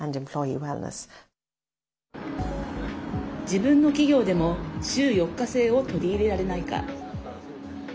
自分の企業でも週４日制を取り入れられないか。